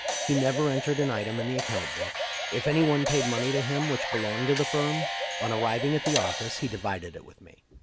He never entered an item in the account book. If any one paid money to him which belonged to the firm, on arriving at the office he divided it with me.